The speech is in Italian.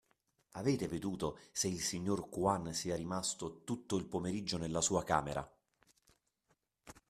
Avete veduto se il signor Juan sia rimasto tutto il pomeriggio nella sua camera?